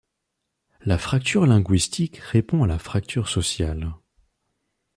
La fracture linguistique répond à la fracture sociale.